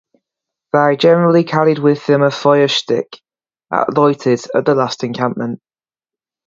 They generally carried with them a fire-stick lighted at their last encampment.